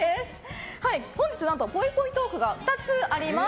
本日なんとぽいぽいトークが２つあります。